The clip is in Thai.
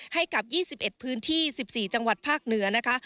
ให้กับ๒๑พื้นที่๑๔จังหวัดภาคเหนือนะคะ